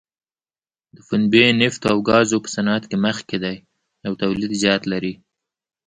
د پنبې، نفتو او ګازو په صنعت کې مخکې دی او تولید زیات لري.